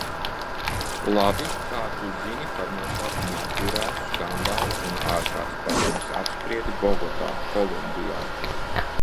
Labi, kā tu zini par noslēpumā turētu skandālu un ārkārtas padomes apspriedi Bogotā, Kolumbijā?